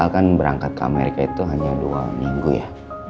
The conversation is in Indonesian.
kan berangkat ke amerika itu hanya dua minggu ya